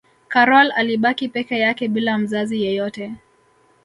karol alibaki peke yake bila mzazi yeyote